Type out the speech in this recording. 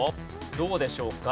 どうでしょうか？